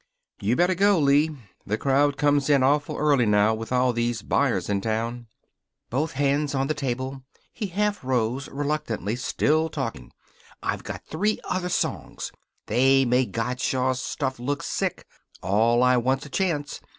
"You better go, Lee. The crowd comes in awful early now, with all these buyers in town." Both hands on the table, he half rose, reluctantly, still talking. "I've got three other songs. They make Gottschalk's stuff look sick. All I want's a chance.